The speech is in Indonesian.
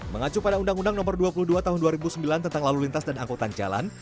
mengacu pada undang undang nomor dua puluh dua tahun dua ribu sembilan tentang lalu lintas dan angkutan jalan